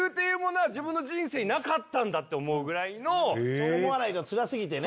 そう思わないとつらすぎてね。